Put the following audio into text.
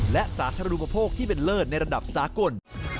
และสาธารณูปโภคที่เป็นเลิศในระดับสากล